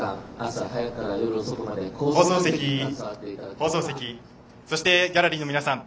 放送席そして、ギャラリーの皆さん。